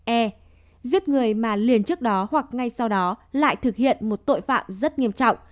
e giết người mà liền trước đó hoặc ngay sau đó lại thực hiện một tội phạm rất nghiêm trọng